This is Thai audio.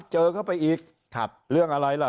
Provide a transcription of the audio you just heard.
เจอเข้าไปอีกเรื่องอะไรล่ะ